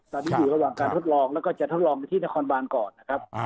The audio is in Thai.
ตอนนี้อยู่ระหว่างการทดลองแล้วก็จะทดลองไปที่นครบานก่อนนะครับ